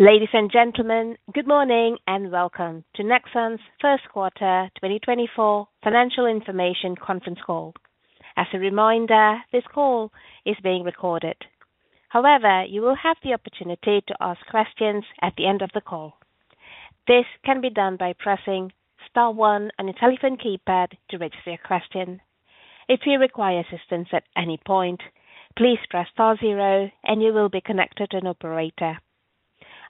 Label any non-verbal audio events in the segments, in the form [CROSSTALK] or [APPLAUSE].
Ladies and gentlemen, good morning and welcome to Nexans First Quarter 2024 Financial Information Conference Call. As a reminder, this call is being recorded. However, you will have the opportunity to ask questions at the end of the call. This can be done by pressing star 1 on your telephone keypad to register your question. If you require assistance at any point, please press star 0 and you will be connected to an operator.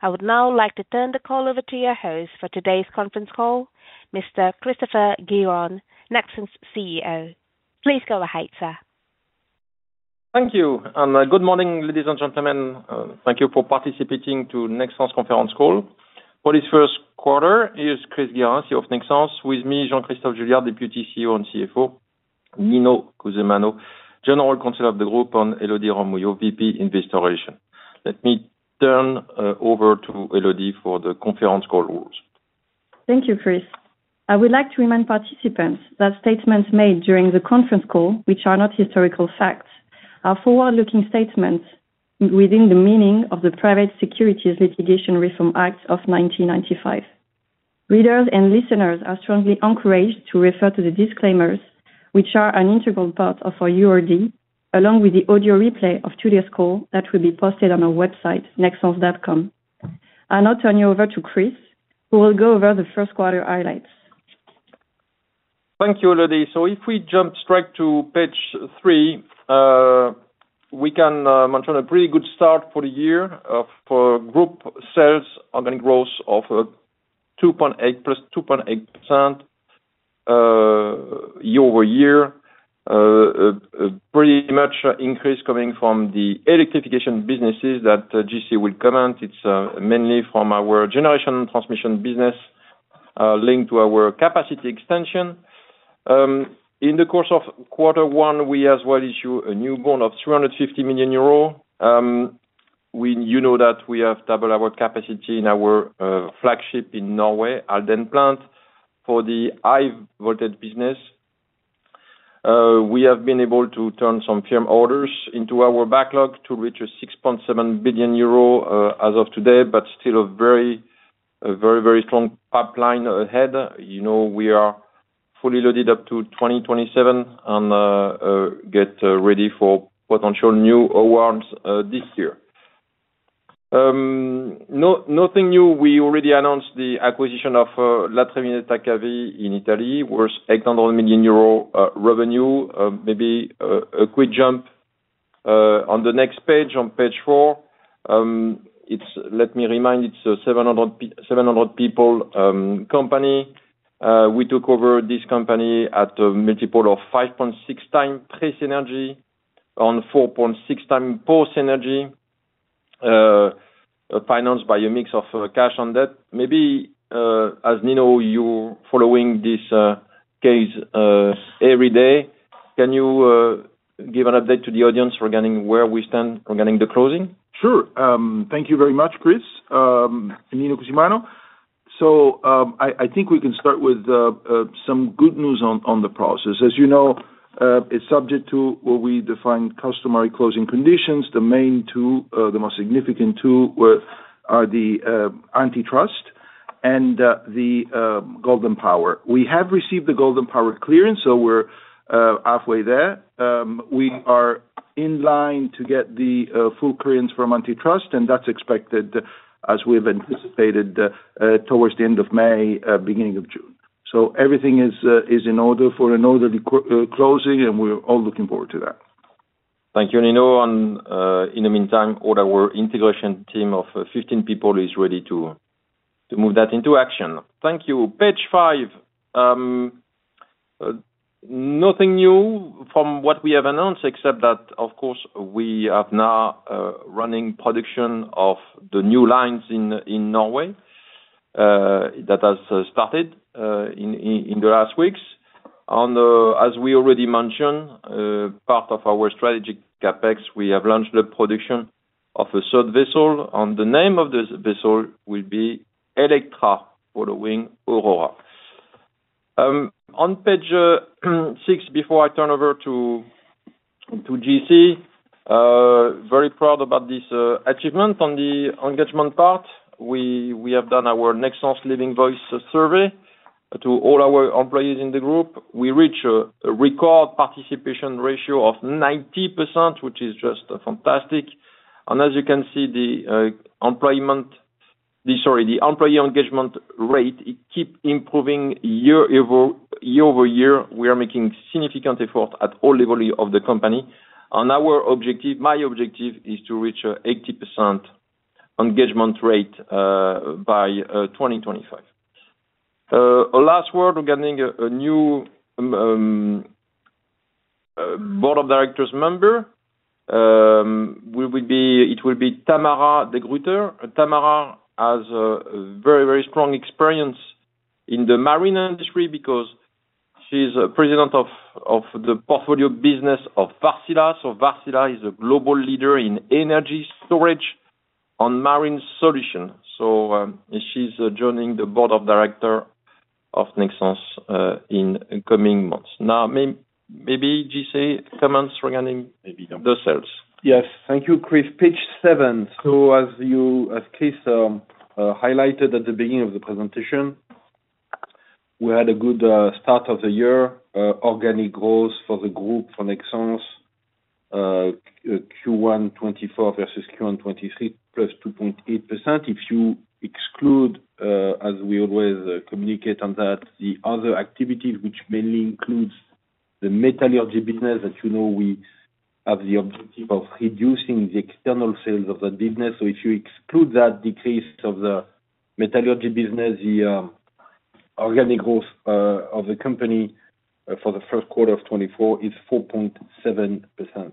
I would now like to turn the call over to your host for today's conference call, Mr. Christopher Guérin, Nexans CEO. Please go ahead, sir. Thank you. Good morning, ladies and gentlemen. Thank you for participating to Nexans Conference Call. For this, here's Chris Guérin, CEO of Nexans. With me, Jean-Christophe Juillard, Deputy CEO and CFO, Nino Cusimano, General Counsel of the Group, and Élodie Robbe-Mouillot, VP Investor Relations. Let me turn over to Élodie for the conference call rules. Thank you, Chris. I would like to remind participants that statements made during the conference call, which are not historical facts, are forward-looking statements within the meaning of the Private Securities Litigation Reform Act of 1995. Readers and listeners are strongly encouraged to refer to the disclaimers, which are an integral part of our URD, along with the audio replay of today's call that will be posted on our website, nexans.com. I now turn you over to Chris, who will go over the highlights. Thank you, Élodie. So if we jump straight to page 3, we can mention a pretty good start for the year for group sales organic growth of 2.8% year-over-year, pretty much an increase coming from the Electrification businesses that JC will comment. It's mainly from our Generation Transmission business linked to our capacity extension. In the course of quarter 1, we as well issue a new bond of 350 million euro. You know that we have doubled our capacity in our flagship in Norway, Halden Plant, for the high-voltage business. We have been able to turn some firm orders into our backlog to reach 6.7 billion euro as of today, but still a very, very, very strong pipeline ahead. We are fully loaded up to 2027 and get ready for potential new awards this year. Nothing new. We already announced the acquisition of La Triveneta Cavi in Italy, worth 800 million euro revenue. Maybe a quick jump on the next page, on page 4. Let me remind, it's a 700-people company. We took over this company at a multiple of 5.6x pre-synergy EBITDA, on 4.6x post-synergy EBITDA, financed by a mix of cash and debt. Maybe, as Nino, you're following this case every day, can you give an update to the audience regarding where we stand regarding the closing? Sure. Thank you very much, Chris. Nino Cusimano. I think we can start with some good news on the process. As you know, it's subject to what we define customary closing conditions. The main two, the most significant two, are the antitrust and the Golden Power. We have received the Golden Power clearance, so we're halfway there. We are in line to get the full clearance from antitrust, and that's expected, as we have anticipated, towards the end of May, beginning of June. So everything is in order for an orderly closing, and we're all looking forward to that. Thank you, Nino. In the meantime, all our integration team of 15 people is ready to move that into action. Thank you. Page 5. Nothing new from what we have announced, except that, of course, we are now running production of the new lines in Norway that has started in the last weeks. As we already mentioned, part of our strategic CapEx, we have launched the production of a third vessel. The name of the vessel will be Electra, following Aurora. On page 6, before I turn over to JC, very proud about this achievement. On the engagement part, we have done our Nexans Living Voice survey to all our employees in the group. We reached a record participation ratio of 90%, which is just fantastic. As you can see, the employment, sorry, the employee engagement rate, it keeps improving year-over-year. We are making significant efforts at all levels of the company. My objective is to reach an 80% engagement rate by 2025. A last word regarding a new board of directors member. It will be Tamara de Gruyter. Tamara has very, very strong experience in the marine industry because she's president of the portfolio business of Wärtsilä. Wärtsilä is a global leader in energy storage and marine solutions. She's joining the board of directors of Nexans in coming months. Now, maybe JC comments regarding the sales. Yes. Thank you, Chris. Page 7. So, as Chris highlighted at the beginning of the presentation, we had a good start of the year, organic growth for the group for Nexans, Q1 2024 versus Q1 2023, +2.8%. If you exclude, as we always communicate on that, the other activities, which mainly includes the metallurgy business, that you know we have the objective of reducing the external sales of that business. So if you exclude that decrease of the metallurgy business, the organic growth of the company for the of 2024 is 4.7%.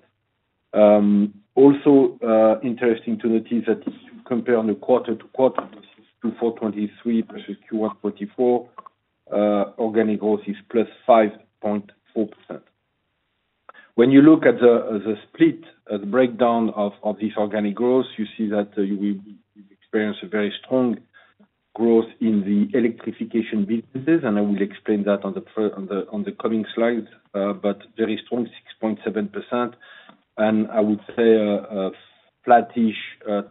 Also, interesting to notice that if you compare the quarter to quarter, this is Q4 2023 versus Q1 2024, organic growth is +5.4%. When you look at the split, the breakdown of this organic growth, you see that we experience a very strong growth in the electrification businesses. I will explain that on the coming slides, but very strong, 6.7%. I would say a flattish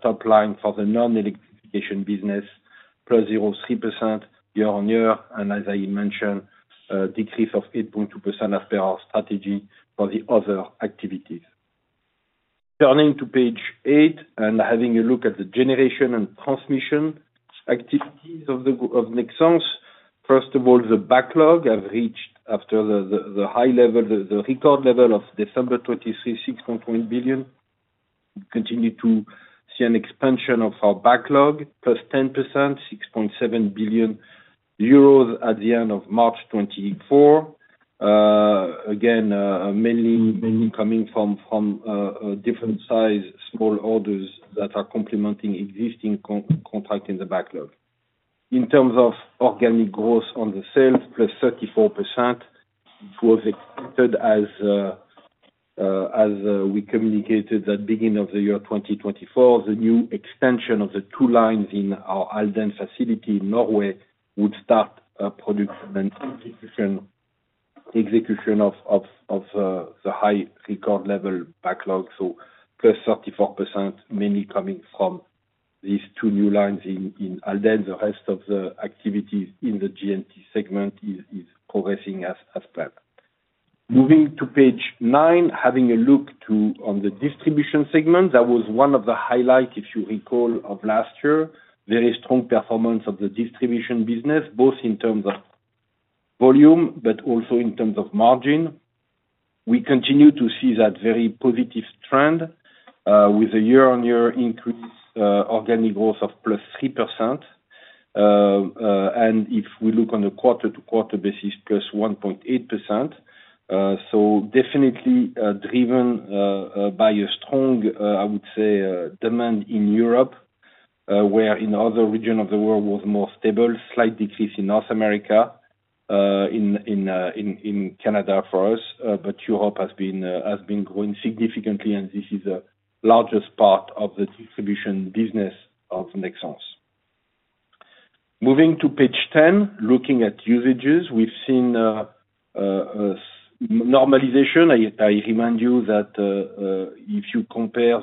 top line for the non-electrification business, +0.3% year-on-year. As I mentioned, a decrease of 8.2% after our strategy for the other activities. Turning to page 8 and having a look at the generation and transmission activities of Nexans, first of all, the backlog have reached, after the record level of December 2023, 6.1 billion. Continue to see an expansion of our backlog, +10%, 6.7 billion euros at the end of March 2024, again, mainly coming from different-sized small orders that are complementing existing contract in the backlog. In terms of organic growth on the sales, +34%, it was expected, as we communicated, that beginning of the year 2024, the new extension of the two lines in our Halden facility in Norway would start production and execution of the record-high level backlog. So +34%, mainly coming from these two new lines in Halden. The rest of the activities in the G&T segment is progressing as planned. Moving to page 9, having a look on the distribution segment, that was one of the highlights, if you recall, of last year, very strong performance of the distribution business, both in terms of volume but also in terms of margin. We continue to see that very positive trend with a year-on-year increase, organic growth of +3%. If we look on a quarter-to-quarter basis, +1.8%. So definitely driven by a strong, I would say, demand in Europe, where in other regions of the world was more stable, slight decrease in North America, in Canada for us. But Europe has been growing significantly, and this is the largest part of the distribution business of Nexans. Moving to page 10, looking at usages, we've seen normalization. I remind you that if you compare,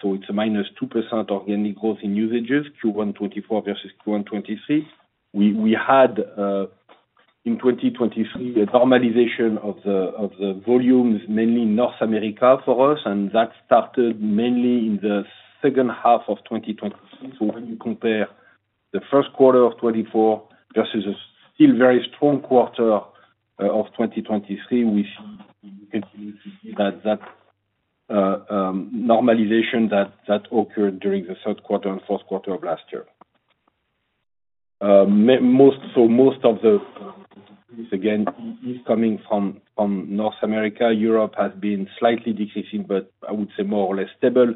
so it's a -2% organic growth in usages, Q1 2024 versus Q1 2023. We had, in 2023, a normalization of the volumes, mainly North America for us. And that started mainly in the H2 of 2023. So when you compare the of 2024 versus a still very strong quarter of 2023, we continue to see that normalization that occurred during the Q3 and Q4 of last year. Most of the decrease, again, is coming from North America. Europe has been slightly decreasing, but I would say more or less stable.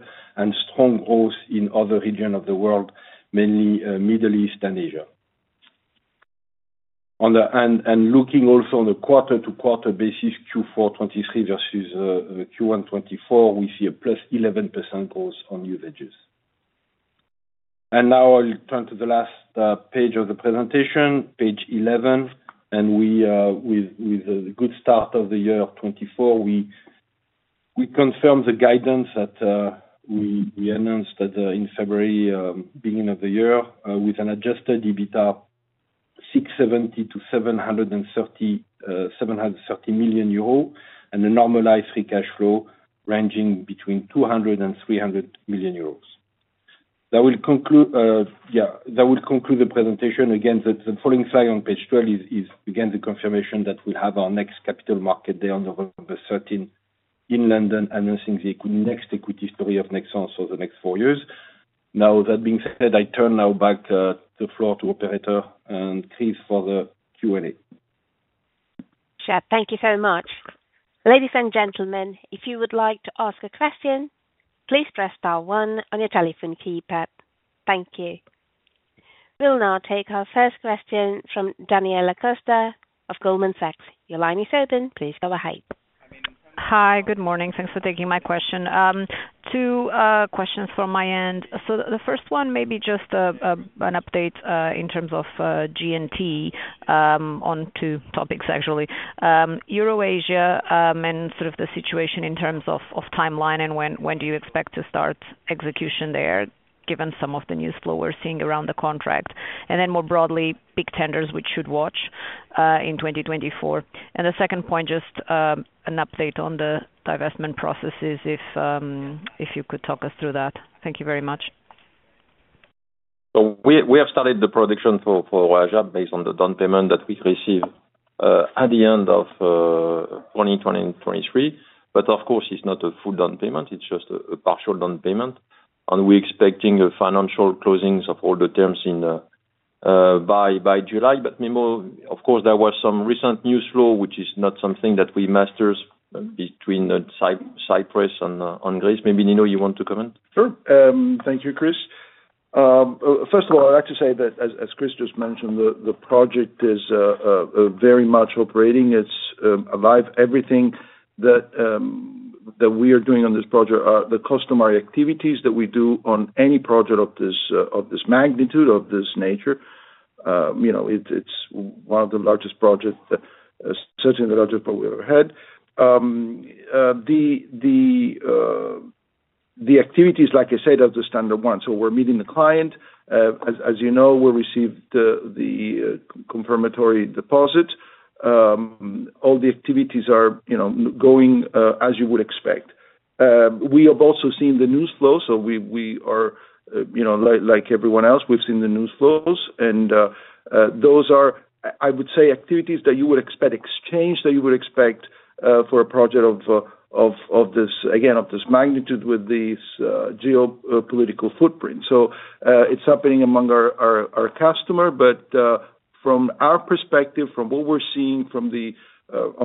Strong growth in other regions of the world, mainly Middle East and Asia. Looking also on a quarter-to-quarter basis, Q4 2023 versus Q1 2024, we see a +11% growth on usages. Now I'll turn to the last page of the presentation, page 11. With the good start of the year 2024, we confirm the guidance that we announced in February, beginning of the year, with an adjusted EBITDA of €670-€730 million and a normalized free cash flow ranging between €200 and €300 million. That will conclude yeah, that will conclude the presentation. Again, the following slide on page 12 is, again, the confirmation that we'll have our next capital market day on November 13 in London, announcing the next equity story of Nexans for the next four years. Now, that being said, I turn now back the floor to operator and Chris for the Q&A. Chat, thank you so much. Ladies and gentlemen, if you would like to ask a question, please press star 1 on your telephone keypad. Thank you. We'll now take our first question from Daniela Costa of Goldman Sachs. Your line is open. Please go ahead. Hi. Good morning. Thanks for taking my question. Two questions from my end. So the first one, maybe just an update in terms of G&T, on two topics, actually. EuroAsia and sort of the situation in terms of timeline and when do you expect to start execution there, given some of the news flow we're seeing around the contract? And then more broadly, big tenders we should watch in 2024. And the second point, just an update on the divestment processes, if you could talk us through that. Thank you very much. So we have started the production for EuroAsia based on the down payment that we receive at the end of 2023. But of course, it's not a full down payment. It's just a partial down payment. And we're expecting financial closings of all the terms by July. But of course, there was some recent news flow, which is not something that we mastered between Cyprus and Greece. Maybe, Nino, you want to comment? Sure. Thank you, Chris. First of all, I'd like to say that, as Chris just mentioned, the project is very much operating. It's alive. Everything that we are doing on this project, the customary activities that we do on any project of this magnitude, of this nature, it's one of the largest projects, certainly the largest project we ever had. The activities, like I said, are the standard one. So we're meeting the client. As you know, we received the confirmatory deposit. All the activities are going as you would expect. We have also seen the news flow. So we are, like everyone else, we've seen the news flows. And those are, I would say, activities that you would expect, exchange that you would expect for a project of this, again, of this magnitude with this geopolitical footprint. So it's happening among our customer. From our perspective, from what we're seeing on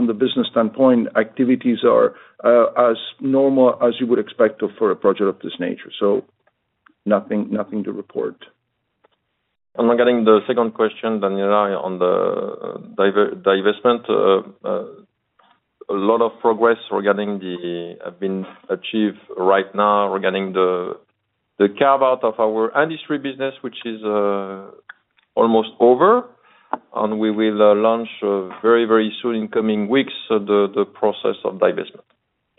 the business standpoint, activities are as normal as you would expect for a project of this nature. Nothing to report. Regarding the second question, Daniela, on the divestment, a lot of progress has been achieved right now regarding the carve-out of our industry business, which is almost over. We will launch very, very soon, in coming weeks, the process of divestment.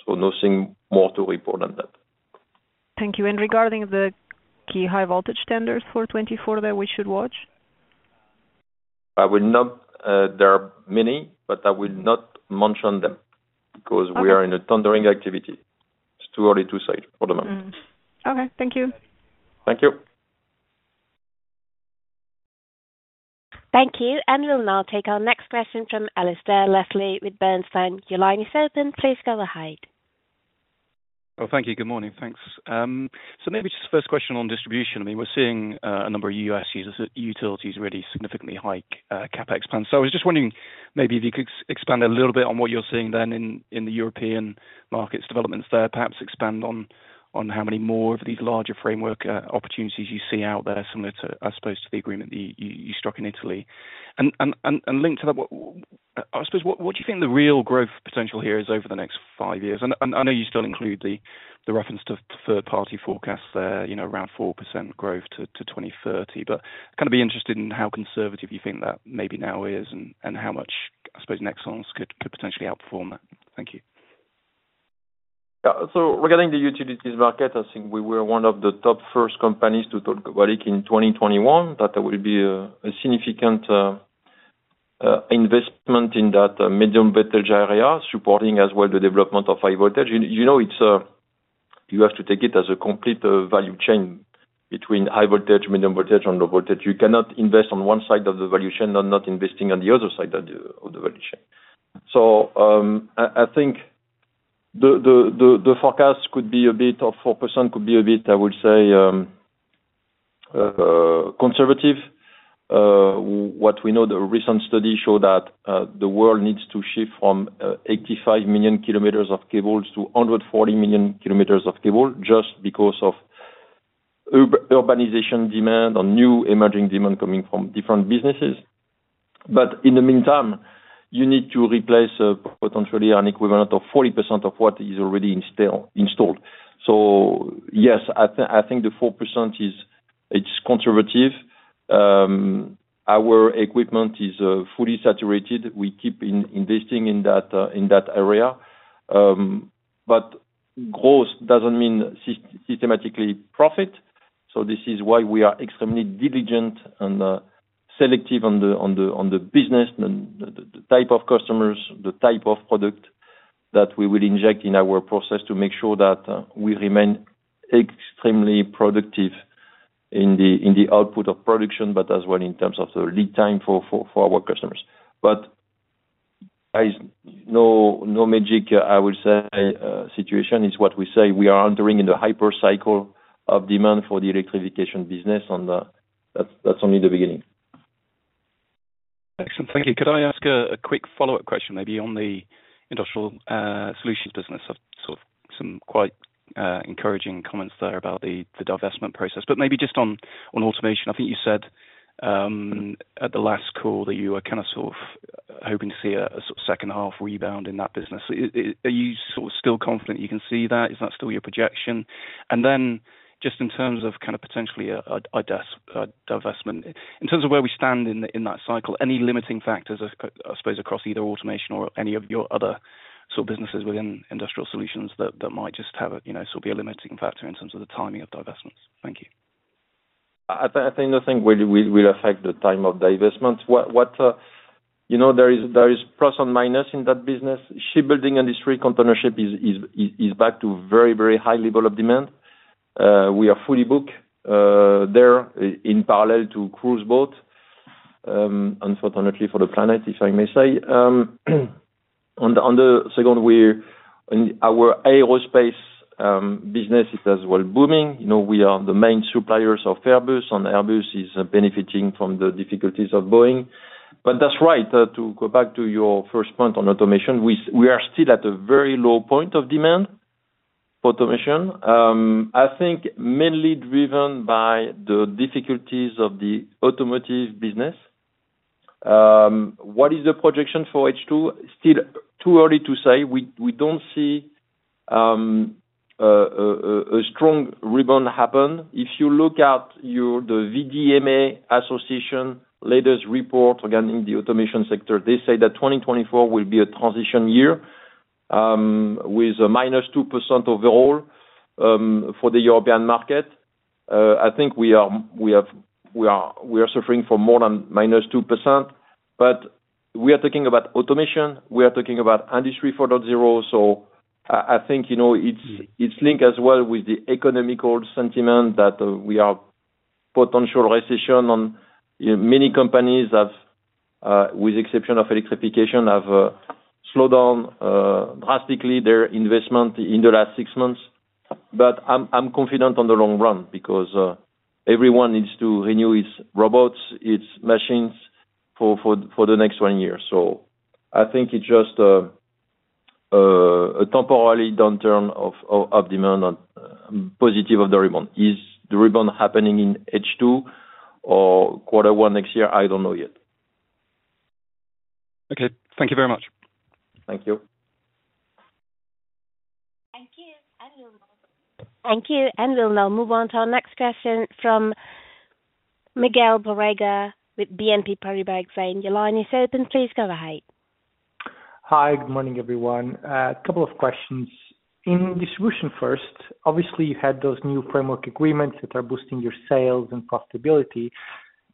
Nothing more to report on that. Thank you. Regarding the key high-voltage tenders for 2024 that we should watch? There are many, but I will not mention them because we are in a tendering activity. It's too early to say for the moment. Okay. Thank you. Thank you. Thank you. We'll now take our next question from Alasdair Leslie with Bernstein. Your line is open. Please go ahead. Oh, thank you. Good morning. Thanks. So maybe just first question on distribution. I mean, we're seeing a number of U.S. utilities really significantly hike CapEx plans. So I was just wondering maybe if you could expand a little bit on what you're seeing then in the European markets developments there, perhaps expand on how many more of these larger framework opportunities you see out there, similar to, I suppose, the agreement that you struck in Italy. And linked to that, I suppose, what do you think the real growth potential here is over the next five years? And I know you still include the reference to third-party forecasts there, around 4% growth to 2030. But I'd kind of be interested in how conservative you think that maybe now is and how much, I suppose, Nexans could potentially outperform that. Thank you. Yeah. So regarding the utilities market, I think we were one of the top first companies to talk about it in 2021, that there will be a significant investment in that medium voltage area, supporting as well the development of high voltage. You have to take it as a complete value chain between high voltage, medium voltage, and low voltage. You cannot invest on one side of the value chain, not investing on the other side of the value chain. So I think the forecast could be a bit of 4% could be a bit, I would say, conservative. What we know, the recent study showed that the world needs to shift from 85 million kilometers of cables to 140 million kilometers of cable just because of urbanization demand and new emerging demand coming from different businesses. But in the meantime, you need to replace potentially an equivalent of 40% of what is already installed. So yes, I think the 4%; it's conservative. Our equipment is fully saturated. We keep investing in that area. But growth doesn't mean systematically profit. So this is why we are extremely diligent and selective on the business, the type of customers, the type of product that we will inject in our process to make sure that we remain extremely productive in the output of production, but as well in terms of the lead time for our customers. But no magic, I would say, situation. It's what we say. We are entering in the hypercycle of demand for the electrification business. And that's only the beginning. Excellent. Thank you. Could I ask a quick follow-up question, maybe, on the industrial solutions business? I've sort of some quite encouraging comments there about the divestment process. But maybe just on automation, I think you said at the last call that you were kind of sort of hoping to see a sort of second-half rebound in that business. Are you sort of still confident you can see that? Is that still your projection? And then just in terms of kind of potentially a divestment, in terms of where we stand in that cycle, any limiting factors, I suppose, across either automation or any of your other sort of businesses within industrial solutions that might just sort of be a limiting factor in terms of the timing of divestments? Thank you. I think nothing will affect the time of divestment. There is plus and minus in that business. Shipbuilding industry containership is back to very, very high level of demand. We are fully booked there in parallel to cruise boat, unfortunately, for the planet, if I may say. On the second, our aerospace business is as well booming. We are the main suppliers of Airbus, and Airbus is benefiting from the difficulties of Boeing. But that's right. To go back to your first point on automation, we are still at a very low point of demand for automation, I think mainly driven by the difficulties of the automotive business. What is the projection for H2? Still too early to say. We don't see a strong rebound happen. If you look at the VDMA Association latest report regarding the automation sector, they say that 2024 will be a transition year with a -2% overall for the European market. I think we are suffering from more than -2%. But we are talking about automation. We are talking about industry 4.0. So I think it's linked as well with the economic sentiment that we are potential recession on many companies, with the exception of electrification, have slowed down drastically their investment in the last six months. But I'm confident on the long run because everyone needs to renew its robots, its machines for the next 20 years. So I think it's just a temporary downturn of demand and positive of the rebound. Is the rebound happening in H2 or quarter one next year? I don't know yet. Okay. Thank you very much. Thank you. Thank you. We'll now move on to our next question from Miguel Borrega with BNP Paribas Exane. Your line is open. Please go ahead. Hi. Good morning, everyone. A couple of questions. In distribution first, obviously, you had those new framework agreements that are boosting your sales and profitability.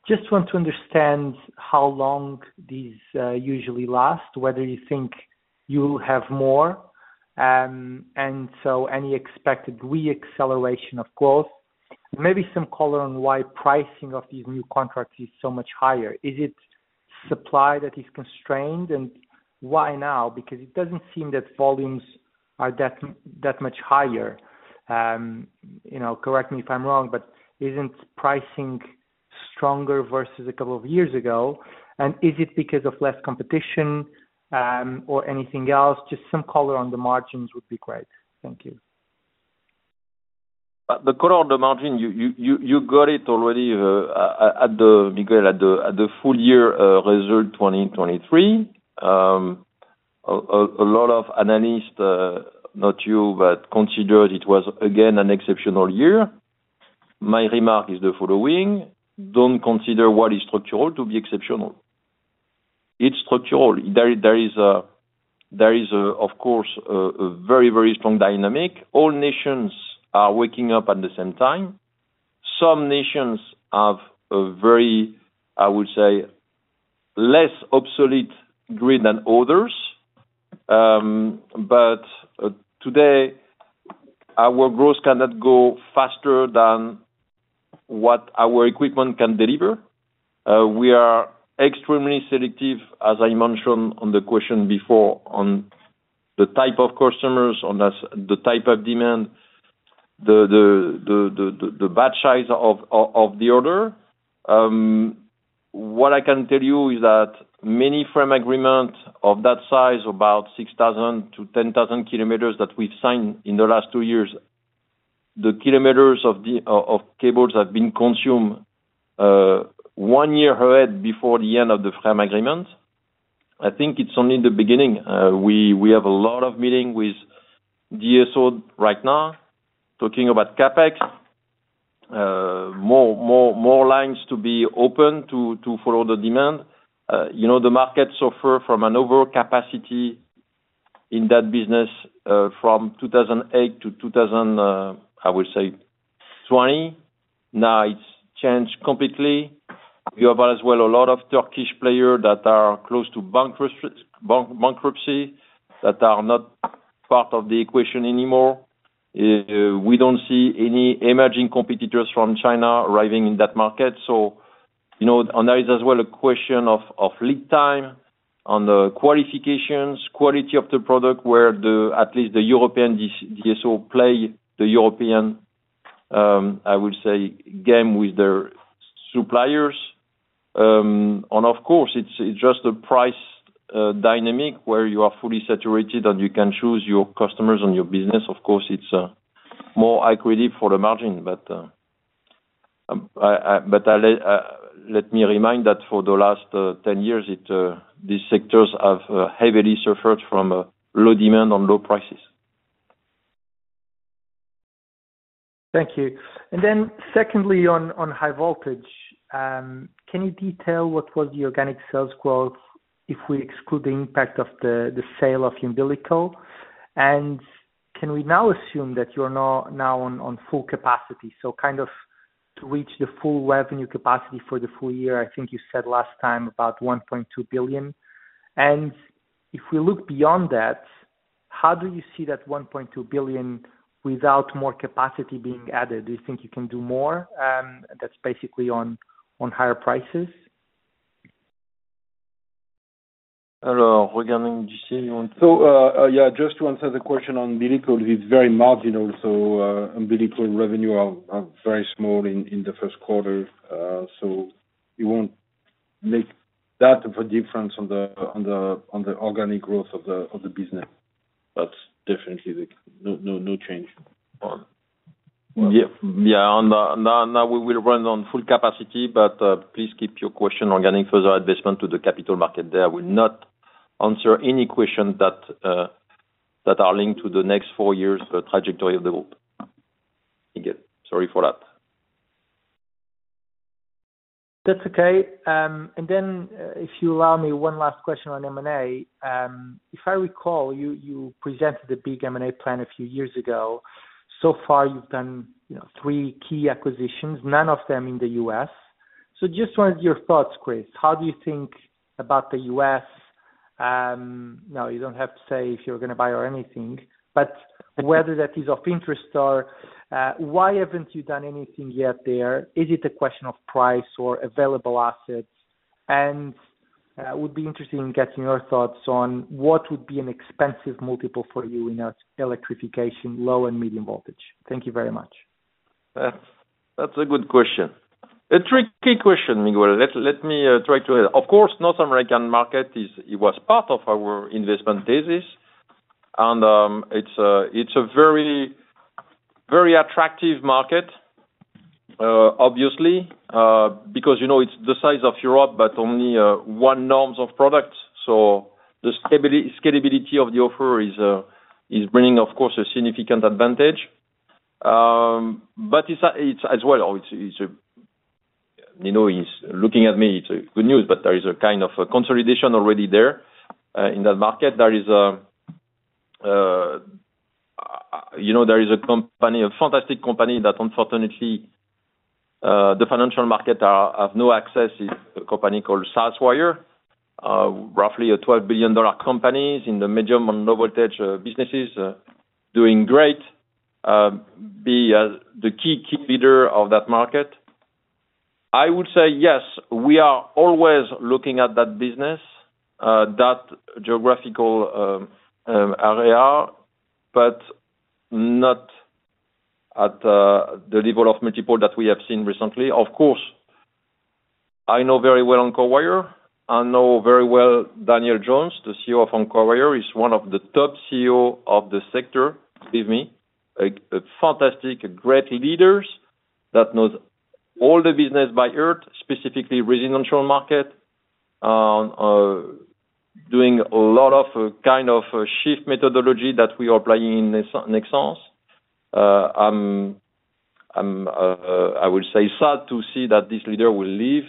Just want to understand how long these usually last, whether you think you will have more, and so any expected re-acceleration of growth. And maybe some color on why pricing of these new contracts is so much higher. Is it supply that is constrained? And why now? Because it doesn't seem that volumes are that much higher. Correct me if I'm wrong, but isn't pricing stronger versus a couple of years ago? And is it because of less competition or anything else? Just some color on the margins would be great. Thank you. The color on the margin, you got it already, Miguel, at the full-year result 2023. A lot of analysts, not you, but considered it was, again, an exceptional year. My remark is the following: don't consider what is structural to be exceptional. It's structural. There is, of course, a very, very strong dynamic. All nations are waking up at the same time. Some nations have a very, I would say, less obsolete grid than others. But today, our growth cannot go faster than what our equipment can deliver. We are extremely selective, as I mentioned on the question before, on the type of customers, on the type of demand, the batch size of the order. What I can tell you is that many frame agreements of that size, about 6,000-10,000 kilometers that we've signed in the last two years, the kilometers of cables have been consumed one year ahead before the end of the frame agreement. I think it's only the beginning. We have a lot of meetings with DSO right now talking about CapEx, more lines to be open to follow the demand. The market suffered from an overcapacity in that business from 2008 to, I would say, 2020. Now, it's changed completely. We have as well a lot of Turkish players that are close to bankruptcy, that are not part of the equation anymore. We don't see any emerging competitors from China arriving in that market. So there is as well a question of lead time on the qualifications, quality of the product, where at least the European DSO play the European, I would say, game with their suppliers. And of course, it's just a price dynamic where you are fully saturated and you can choose your customers and your business. Of course, it's more high credit for the margin. But let me remind that for the last 10 years, these sectors have heavily suffered from low demand and low prices. Thank you. Then secondly, on high voltage, can you detail what was the organic sales growth if we exclude the impact of the sale of Umbilical? And can we now assume that you're now on full capacity? So kind of to reach the full revenue capacity for the full year, I think you said last time about 1.2 billion. And if we look beyond that, how do you see that 1.2 billion without more capacity being added? Do you think you can do more? That's basically on higher prices. Hello, regarding J.C., you want to? So yeah, just to answer the question on Umbilical, it's very marginal. So Umbilical revenues are very small in the Q1. So you won't make that much of a difference on the organic growth of the business. That's definitely no change. Yeah. Yeah. Now, we will run on full capacity. But please keep your question regarding further advancement to the capital market there. I will not answer any questions that are linked to the next four years, the trajectory of the group. Miguel, sorry for that. That's okay. And then if you allow me, one last question on M&A. If I recall, you presented a big M&A plan a few years ago. So far, you've done three key acquisitions, none of them in the U.S. So just wanted your thoughts, Chris. How do you think about the U.S.? Now, you don't have to say if you're going to buy or anything, but whether that is of interest or why haven't you done anything yet there? Is it a question of price or available assets? And it would be interesting getting your thoughts on what would be an expensive multiple for you in electrification, low and medium voltage? Thank you very much. That's a good question. A tricky question, Miguel. Let me try to. Of course, North American market, it was part of our investment thesis. And it's a very attractive market, obviously, because it's the size of Europe, but only one norms of products. So the scalability of the offer is bringing, of course, a significant advantage. But it's as well, or it's a looking at me, it's good news, but there is a kind of consolidation already there in that market. There is a company, a fantastic company that unfortunately, the financial markets have no access. It's a company called Southwire, roughly a $12 billion company in the medium and low voltage businesses, doing great, being the key leader of that market. I would say, yes, we are always looking at that business, that geographical area, but not at the level of multiple that we have seen recently. Of course, I know very well Encore Wire. I know very well Daniel Jones, the CEO of Encore Wire. He's one of the top CEOs of the sector, excuse me, fantastic, great leaders that know all the business by heart, specifically residential market, doing a lot of kind of SHIFT methodology that we are applying in Nexans. I would say sad to see that this leader will leave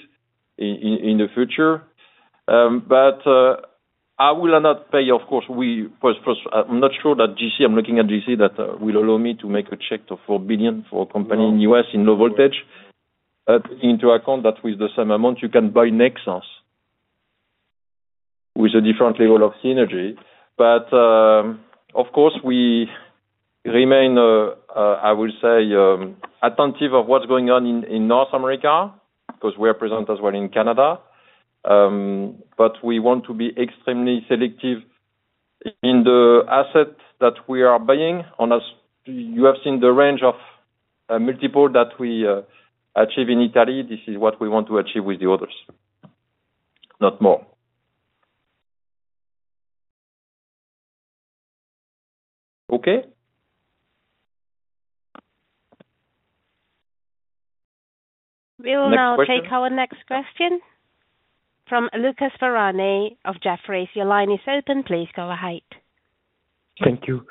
in the future. But I will not pay, of course. I'm not sure that GC, I'm looking at GC, that will allow me to make a check of $4 billion for a company in the US in low voltage. But into account that with the same amount, you can buy Nexans with a different level of synergy. But of course, we remain, I would say, attentive to what's going on in North America because we are present as well in Canada. But we want to be extremely selective in the assets that we are buying. You have seen the range of multiple that we achieve in Italy. This is what we want to achieve with the others, not more. Okay. We will now take our next question from Lucas Ferhani of Jefferies. Your line is open. Please go ahead. Thank you.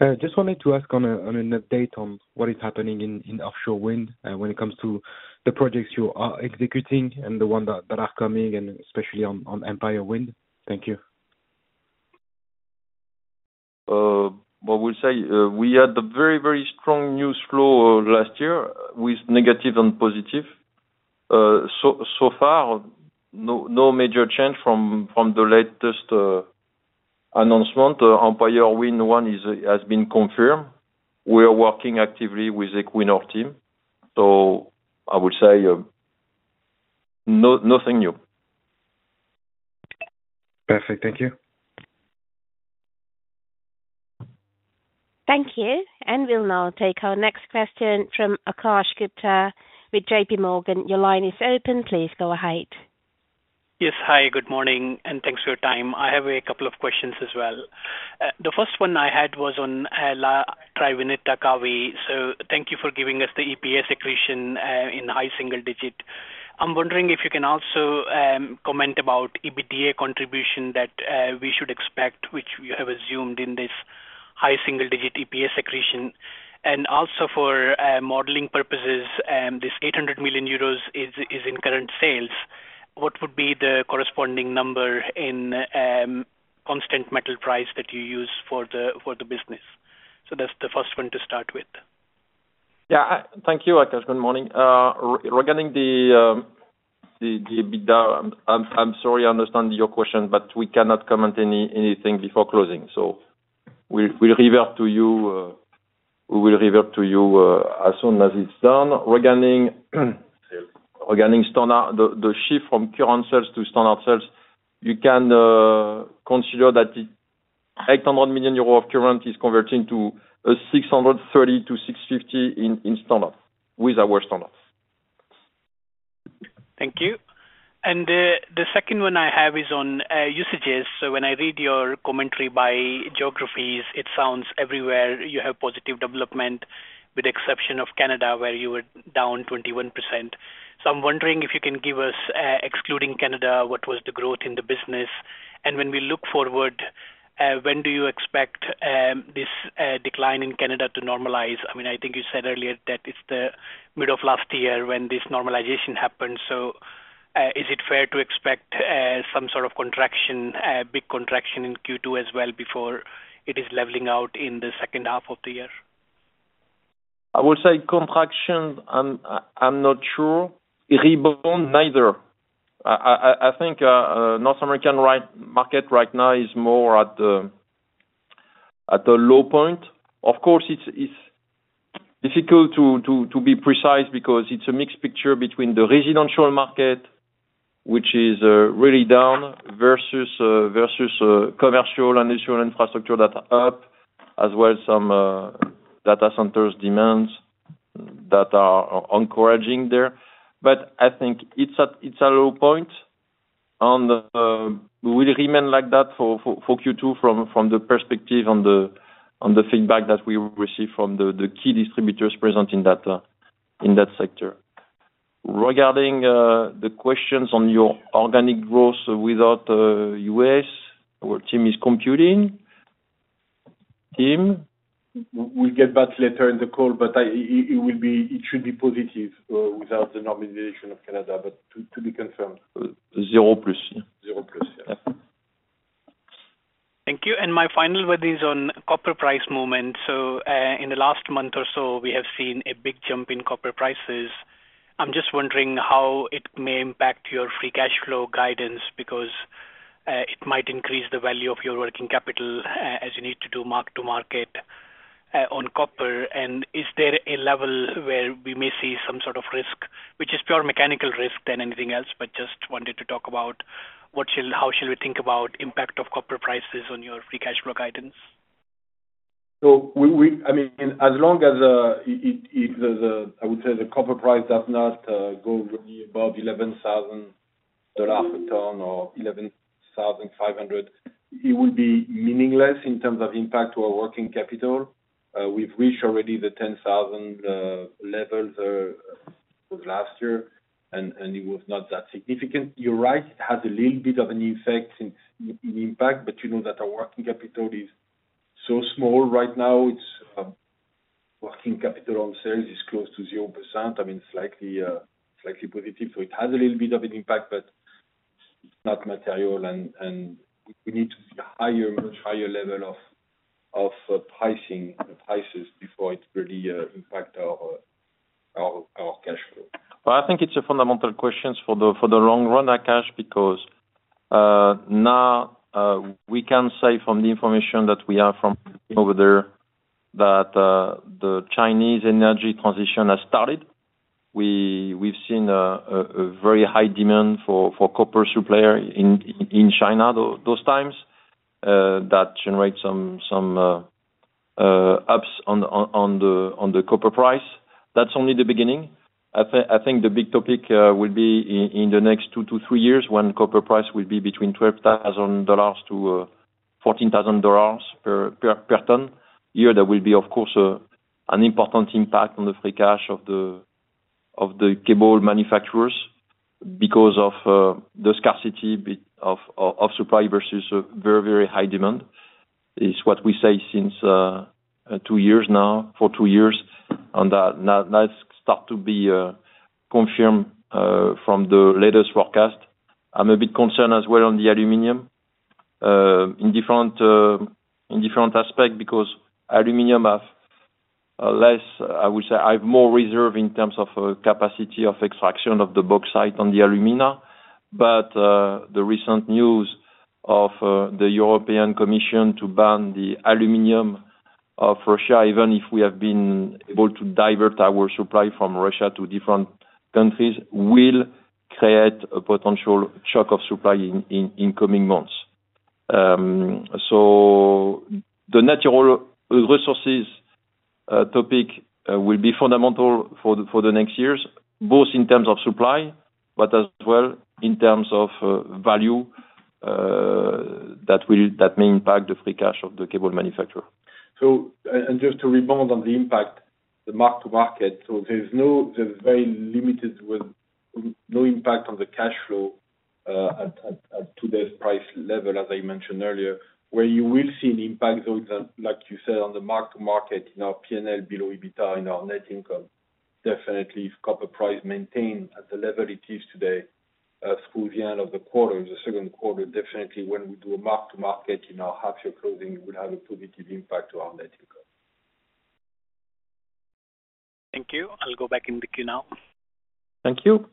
I just wanted to ask on an update on what is happening in offshore wind when it comes to the projects you are executing and the ones that are coming, and especially on Empire Wind? Thank you. I would say we had a very, very strong news flow last year with negative and positive. So far, no major change from the latest announcement. Empire Wind 1 has been confirmed. We are working actively with the Equinor team. So I would say nothing new. Perfect. Thank you. Thank you. We'll now take our next question from Akash Gupta with J.P. Morgan. Your line is open. Please go ahead. Yes. Hi. Good morning. And thanks for your time. I have a couple of questions as well. The first one I had was on La Triveneta Cavi. So thank you for giving us the EPS accretion in high single digit. I'm wondering if you can also comment about EBITDA contribution that we should expect, which you have assumed in this high single digit EPS accretion. And also for modeling purposes, this 800 million euros is in current sales. What would be the corresponding number in constant metal price that you use for the business? So that's the first one to start with. Yeah. Thank you, Akash. Good morning. Regarding the EBITDA, I'm sorry, I understand your question, but we cannot comment anything before closing. So we'll revert to you as soon as it's done. Regarding the shift from current sales to standard sales, you can consider that 800 million euro of current is converting to 630 million-650 million in standard with our standards. Thank you. And the second one I have is on usages. So when I read your commentary by geographies, it sounds everywhere you have positive development with the exception of Canada where you were down 21%. So I'm wondering if you can give us, excluding Canada, what was the growth in the business? And when we look forward, when do you expect this decline in Canada to normalize? I mean, I think you said earlier that it's the middle of last year when this normalization happened. So is it fair to expect some sort of contraction, big contraction in Q2 as well before it is leveling out in the H2 of the year? I would say contraction. I'm not sure. Reborn, neither. I think North American market right now is more at the low point. Of course, it's difficult to be precise because it's a mixed picture between the residential market, which is really down, versus commercial and industrial infrastructure that are up, as well as some data centers' demands that are encouraging there. But I think it's a low point. And we'll remain like that for Q2 from the perspective and the feedback that we receive from the key distributors present in that sector. Regarding the questions on your organic growth without US, our team is computing. Team? We'll get back later in the call, but it should be positive without the normalization of Canada, but to be confirmed. Zero plus. Zero plus. Yeah. Thank you. My final word is on copper price movement. In the last month or so, we have seen a big jump in copper prices. I'm just wondering how it may impact your free cash flow guidance because it might increase the value of your working capital as you need to do mark-to-market on copper. Is there a level where we may see some sort of risk, which is pure mechanical risk than anything else? Just wanted to talk about how shall we think about the impact of copper prices on your free cash flow guidance? So we mean, as long as, I would say, the copper price does not go really above $11,000 a ton or $11,500, it will be meaningless in terms of impact to our working capital. We've reached already the 10,000 levels last year, and it was not that significant. You're right. It has a little bit of an impact, but you know that our working capital is so small right now. Working capital on sales is close to 0%. I mean, it's slightly positive. So it has a little bit of an impact, but it's not material. And we need to see a much higher level of pricing and prices before it really impacts our cash flow. Well, I think it's a fundamental question for the long run, Akash, because now we can say from the information that we have from over there that the Chinese energy transition has started. We've seen a very high demand for copper supply in China those times that generate some ups on the copper price. That's only the beginning. I think the big topic will be in the next 2-3 years when copper price will be between $12,000-$14,000 per ton. Here, there will be, of course, an important impact on the free cash of the cable manufacturers because of the scarcity of supply versus very, very high demand. It's what we say since 2 years now, for 2 years. And that starts to be confirmed from the latest forecast. I'm a bit concerned as well on the aluminum in different aspects because aluminum have less I would say I have more reserve in terms of capacity of extraction of the bauxite on the alumina. But the recent news of the European Commission to ban the aluminum of Russia, even if we have been able to divert our supply from Russia to different countries, will create a potential shock of supply in coming months. So the natural resources topic will be fundamental for the next years, both in terms of supply, but as well in terms of value that may impact the free cash of the cable manufacturer. Just to rebound on the impact, the mark-to-market, so there's very limited, no impact on the cash flow at today's price level, as I mentioned earlier, where you will see an impact, though, like you said, on the mark-to-market in our P&L below EBITDA in our net income. Definitely, if copper price maintains at the level it is today towards the end of the quarter, the second quarter, definitely, when we do a mark-to-market in our half-year closing, it will have a positive impact on our net income. Thank you. I'll go back in the queue now. Thank you.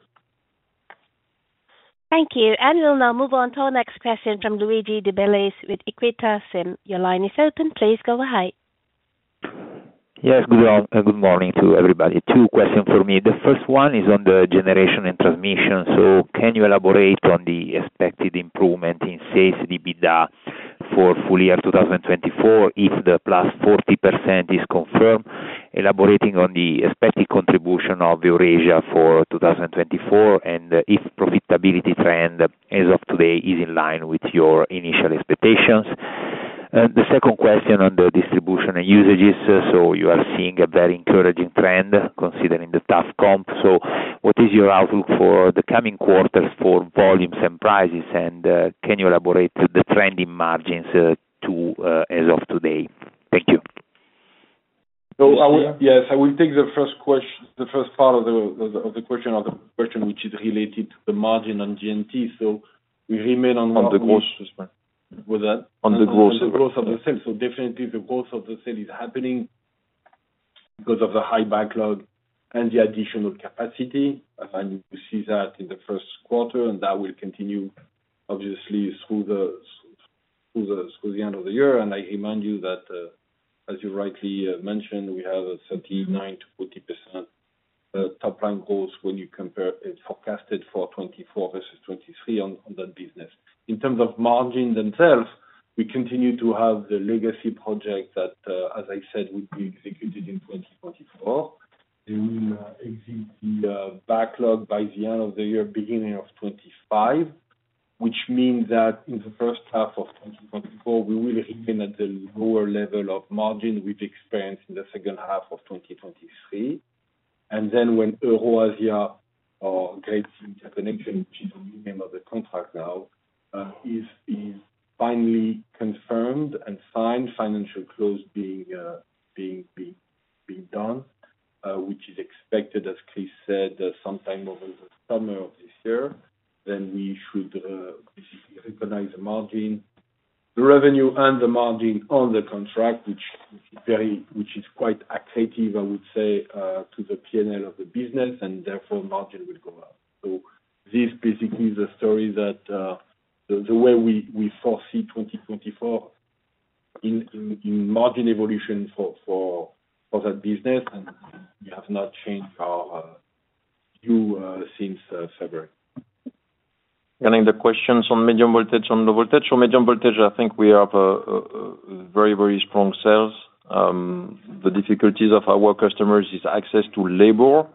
Thank you. We'll now move on to our next question from Luigi De Bellis with Equita SIM. Your line is open. Please go ahead. Yes. Good morning to everybody. Two questions for me. The first one is on the generation and transmission. So can you elaborate on the expected improvement in sales EBITDA for full year 2024 if the +40% is confirmed, elaborating on the expected contribution of EuroAsia for 2024 and if the profitability trend as of today is in line with your initial expectations? The second question on the distribution and usages. So you are seeing a very encouraging trend considering the tough comp. So what is your outlook for the coming quarters for volumes and prices? And can you elaborate the trending margins as of today? Thank you. Yes. I will take the first part of the question or the question which is related to the margin on G&T. So we remain on. On the growth. What's that? On the growth of the sales. So definitely, the growth of the sale is happening because of the high backlog and the additional capacity. You see that in the. That will continue, obviously, through the end of the year. I remind you that, as you rightly mentioned, we have a 39%-40% top-line growth when you compare it forecasted for 2024 versus 2023 on that business. In terms of margin themselves, we continue to have the legacy project that, as I said, would be executed in 2024. It will exit the backlog by the end of the year, beginning of 2025, which means that in the first half of 2024, we will remain at the lower level of margin we've experienced in the H2 of 2023. Then when EuroAsia or Great Connection, which is the new name of the contract now, is finally confirmed and signed, financial close being done, which is expected, as Chris said, sometime over the summer of this year, then we should basically recognize the margin, the revenue, and the margin on the contract, which is quite attractive, I would say, to the P&L of the business. Therefore, margin will go up. So this is basically the story that the way we foresee 2024 in margin evolution for that business. We have not changed our view since February. Regarding the questions on medium voltage and low voltage, so medium voltage, I think we have very, very strong sales. The difficulties of our customers is access to labor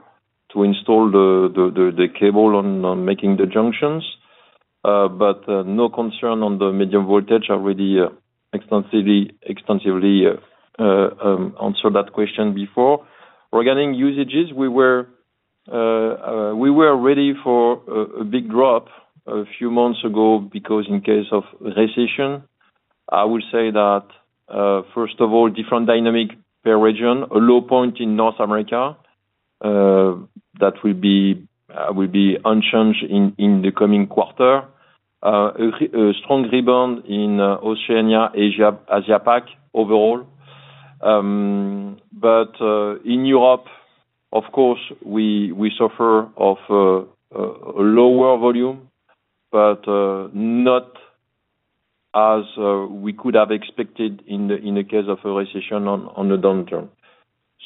to install the cable on making the junctions. But no concern on the medium voltage. I already extensively answered that question before. Regarding usages, we were ready for a big drop a few months ago because in case of recession, I would say that, first of all, different dynamic per region, a low point in North America that will be unchanged in the coming quarter, a strong rebound in Oceania, Asia-Pac overall. But in Europe, of course, we suffer of a lower volume but not as we could have expected in the case of a recession on the downturn.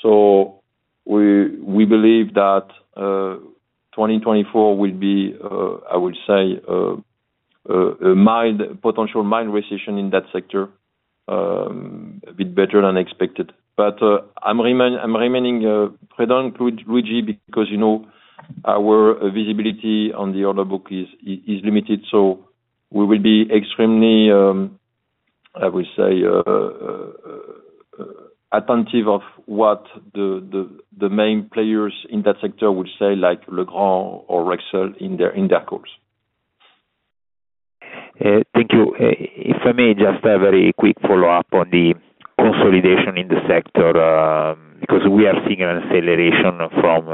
So we believe that 2024 will be, I would say, a potential mild recession in that sector, a bit better than expected. But I'm remaining prudent, Luigi, because our visibility on the order book is limited. So we will be extremely, I would say, attentive of what the main players in that sector would say, like Legrand or Rexel, in their calls. Thank you. If I may, just a very quick follow-up on the consolidation in the sector because we are seeing an acceleration from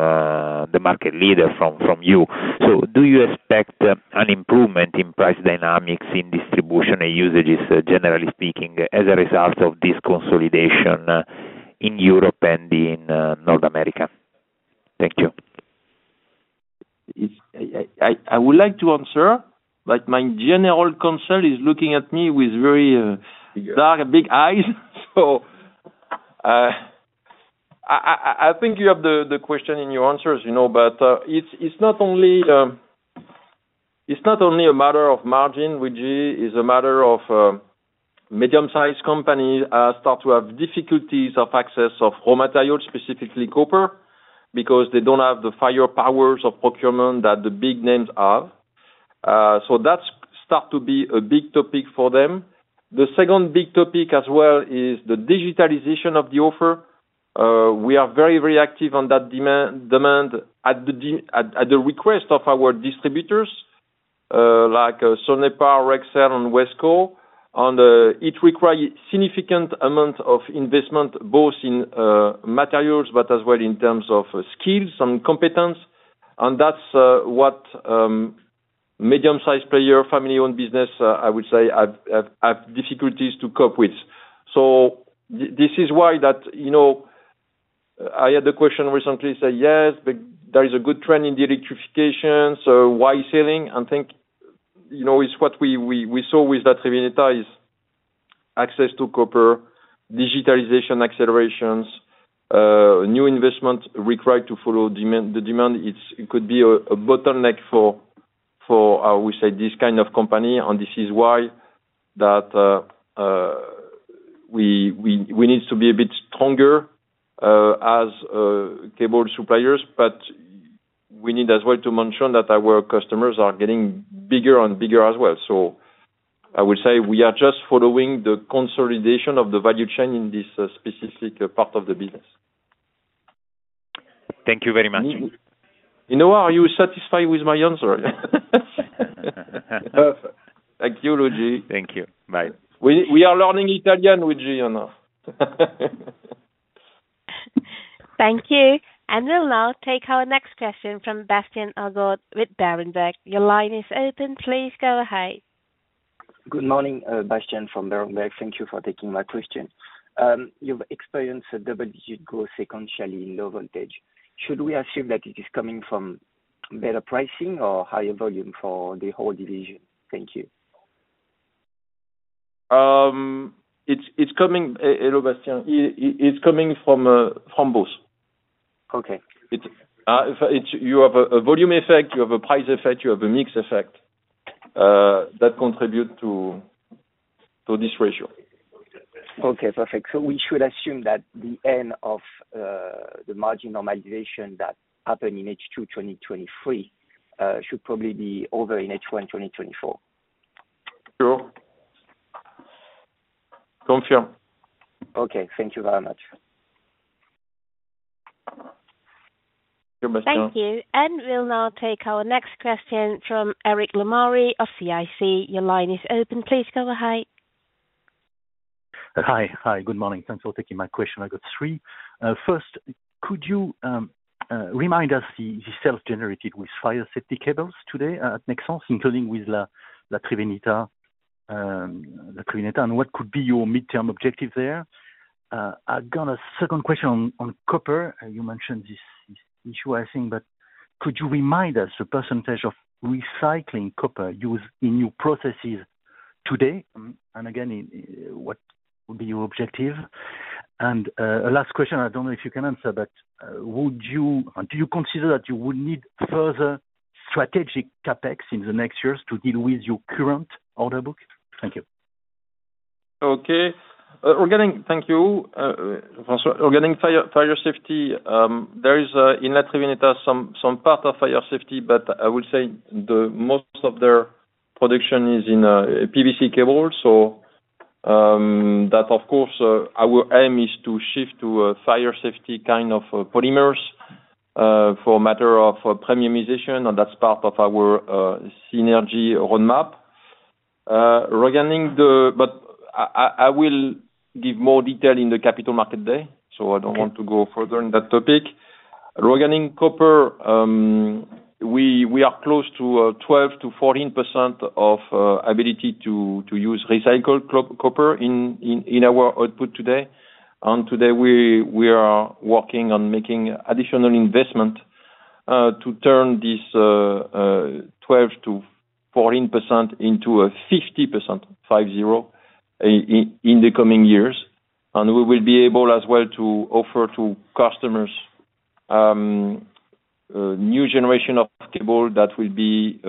the market leader, from you. So do you expect an improvement in price dynamics in distribution and usages, generally speaking, as a result of this consolidation in Europe and in North America? Thank you. I would like to answer, but my general counsel is looking at me with very dark, big eyes. So I think you have the question in your answers. But it's not only a matter of margin, Luigi. It's a matter of medium-sized companies start to have difficulties of access of raw materials, specifically copper, because they don't have the fire powers of procurement that the big names have. So that starts to be a big topic for them. The second big topic as well is the digitalization of the offer. We are very, very active on that demand at the request of our distributors like Sonepar, Rexel, and Wesco. And it requires a significant amount of investment both in materials but as well in terms of skills and competence. And that's what medium-sized player, family-owned business, I would say, have difficulties to cope with. So this is why that I had the question recently. I said, "Yes, but there is a good trend in the electrification. So why selling?" I think it's what we saw with that Triveneta is access to copper, digitalization accelerations, new investment required to follow the demand. It could be a bottleneck for, I would say, this kind of company. And this is why that we need to be a bit stronger as cable suppliers. But we need as well to mention that our customers are getting bigger and bigger as well. So I would say we are just following the consolidation of the value chain in this specific part of the business. Thank you very much. Are you satisfied with my answer? Thank you, Luigi. Thank you. Bye. We are learning Italian, Luigi, and now. Thank you. And we'll now take our next question from Bastien Agaud with Berenberg. Your line is open. Please go ahead. Good morning, Bastien from Berenberg. Thank you for taking my question. You've experienced a double-digit growth sequentially in low voltage. Should we assume that it is coming from better pricing or higher volume for the whole division? Thank you. Hello, Bastien. It's coming from both. You have a volume effect. You have a price effect. You have a mixed effect that contributes to this ratio. Okay. Perfect. So we should assume that the end of the margin normalization that happened in H2 2023 should probably be over in H1 2024. Sure. Confirm. Okay. Thank you very much. Thank you. Thank you. We'll now take our next question from Éric Lemarié of CIC. Your line is open. Please go ahead. Hi. Good morning. Thanks for taking my question. I got three. First, could you remind us the sales generated with fire safety cables today at Nexans, including with the Triveneta? And what could be your midterm objective there? I've got a second question on copper. You mentioned this issue, I think. But could you remind us the percentage of recycling copper used in your processes today? And again, what would be your objective? And a last question. I don't know if you can answer, but do you consider that you would need further strategic CapEx in the next years to deal with your current order book? Thank you. Okay. Thank you, François. Regarding fire safety, there is in the Triveneta some part of fire safety, but I would say most of their production is in PVC cables. So that, of course, our aim is to shift to fire safety kind of polymers for a matter of premiumization. And that's part of our synergy roadmap. But I will give more detail in the Capital Market Day. So I don't want to go further in that topic. Regarding copper, we are close to 12%-14% of ability to use recycled copper in our output today. And today, we are working on making additional investment to turn this 12%-14% into a 50%, 50, in the coming years. And we will be able as well to offer to customers a new generation of cable that will be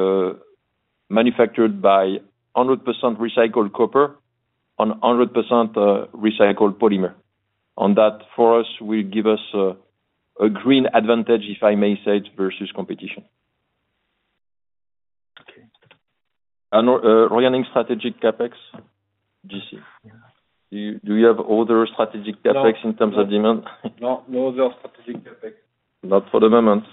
manufactured by 100% recycled copper and 100% recycled polymer. That, for us, will give us a green advantage, if I may say it, versus competition. Regarding strategic CapEx, G.C., do you have other strategic CapEx in terms of demand? No. No other strategic CapEx. Not for the moment.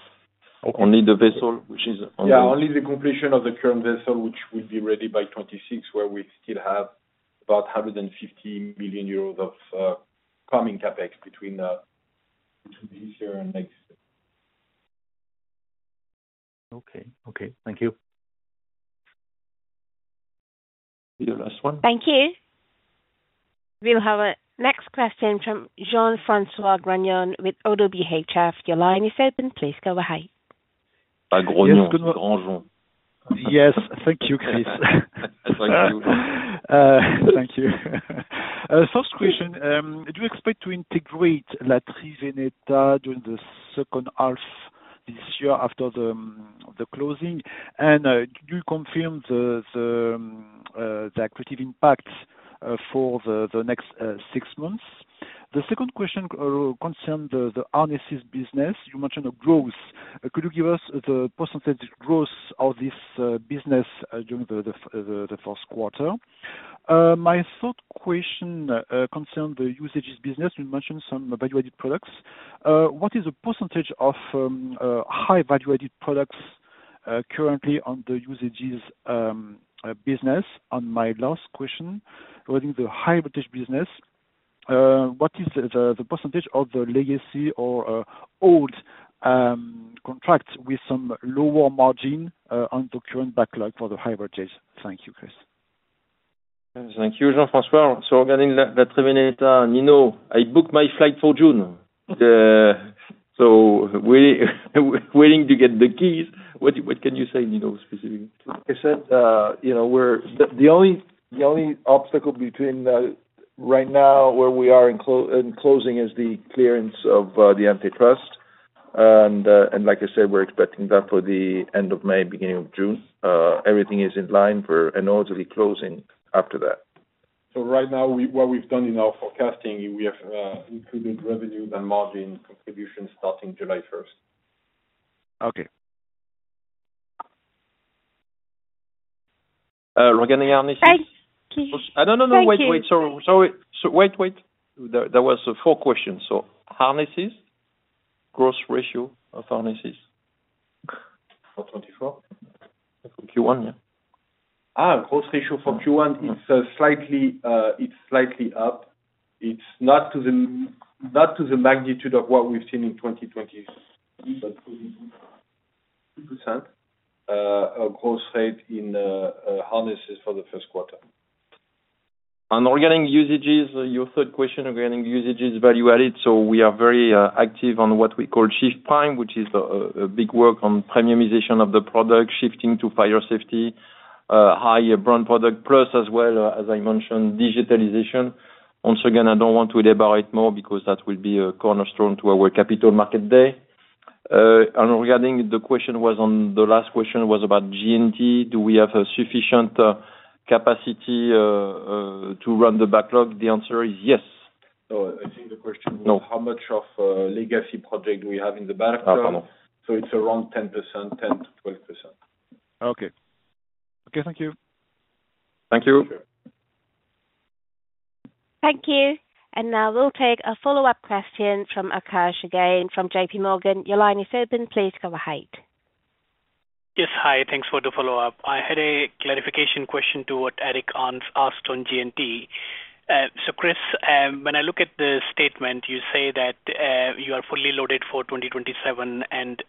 Only the vessel, which is on the. Yeah. Only the completion of the current vessel, which will be ready by 2026, where we still have about 150 million euros of coming CapEx between this year and next year. Okay. Okay. Thank you. The last one. Thank you. We'll have a next question from Jean-François Granjon with Oddo BHF. Your line is open. Please go ahead. Foreign language. [CROSSTALK] Yes. Thank you, Chris. Thank you. First question. Do you expect to integrate La Triveneta during the H2 this year after the closing? And do you confirm the accretive impact for the next six months? The second question concerns the installation business. You mentioned growth. Could you give us the % growth of this business during the? My third question concerns the Usages business. You mentioned some value-added products. What is the % of high-value-added products currently on the Usages business? On my last question, regarding the high-voltage business, what is the % of the legacy or old contracts with some lower margin on the current backlog for the high-voltage? Thank you, Chris. Thank you, Jean-François. So regarding the Triveneta, Nino, I booked my flight for June. So willing to get the keys. What can you say, Nino, specifically? Like I said, the only obstacle right now where we are in closing is the clearance of the antitrust. Like I said, we're expecting that for the end of May, beginning of June. Everything is in line for an orderly closing after that. So right now, what we've done in our forecasting, we have included revenues and margin contributions starting July 1st. Okay. Regarding harnesses. No, no, no. Wait, wait. Sorry. Wait, wait. There were four questions. So harnesses, gross ratio of harnesses for 2024? For Q1, yeah? Gross ratio for Q1, it's slightly up. It's not to the magnitude of what we've seen in 2023, but 2% gross rate in harnesses for the Q1.. Regarding usages, your third question regarding usages value-added. We are very active on what we call SHIFT Prime, which is a big work on premiumization of the product, shifting to fire safety, high brand product, plus as well, as I mentioned, digitalization. Once again, I don't want to elaborate more because that will be a cornerstone to our capital market day. And regarding the question was on the last question was about G&T. Do we have a sufficient capacity to run the backlog? The answer is yes. I think the question was how much of legacy project do we have in the backlog? pardon. It's around 10%, 10%-12%. Okay. Okay. Thank you. Thank you. Thank you. And now we'll take a follow-up question from Akash again from J.P. Morgan. Your line is open. Please go ahead. Yes. Hi. Thanks for the follow-up. I had a clarification question to what Eric asked on G&T. So Chris, when I look at the statement, you say that you are fully loaded for 2027 and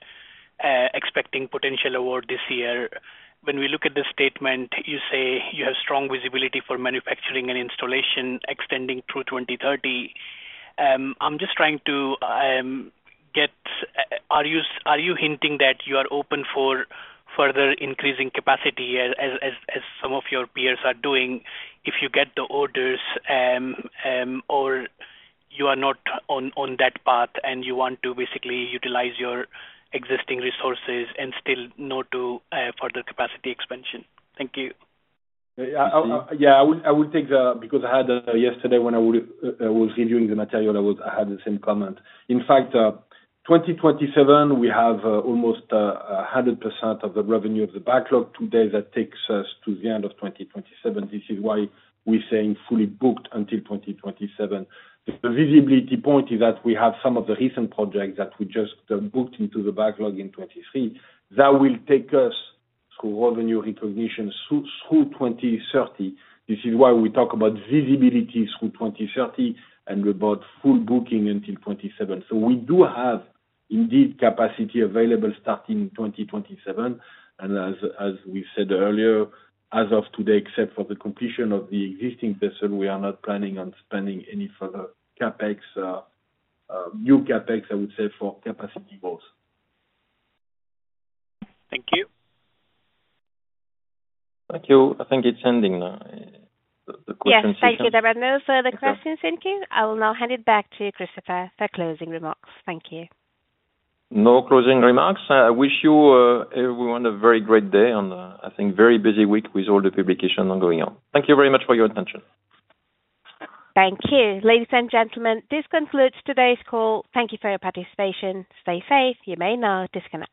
expecting potential award this year. When we look at the statement, you say you have strong visibility for manufacturing and installation extending through 2030. I'm just trying to get are you hinting that you are open for further increasing capacity as some of your peers are doing if you get the orders or you are not on that path and you want to basically utilize your existing resources and still note further capacity expansion? Thank you. Yeah. I would take the because I had yesterday, when I was reviewing the material, I had the same comment. In fact, 2027, we have almost 100% of the revenue of the backlog today that takes us to the end of 2027. This is why we're saying fully booked until 2027. The visibility point is that we have some of the recent projects that we just booked into the backlog in 2023. That will take us through revenue recognition through 2030. This is why we talk about visibility through 2030 and about full booking until 2027. So we do have, indeed, capacity available starting 2027. And as we said earlier, as of today, except for the completion of the existing vessel, we are not planning on spending any further new CapEx, I would say, for capacity growth. Thank you. Thank you. I think it's ending now, the question session. Yes. Thank you, David. No further questions, thank you. I will now hand it back to Christopher for closing remarks. Thank you. No closing remarks. I wish you everyone a very great day and, I think, a very busy week with all the publication ongoing on. Thank you very much for your attention. Thank you. Ladies and gentlemen, this concludes today's call. Thank you for your participation. Stay safe. You may now disconnect.